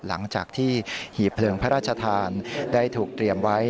หลังจากที่หีบเพลิงพระราชทานได้ถูกเตรียมไว้